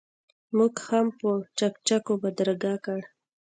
موږ هم په چکچکو بدرګه کړ.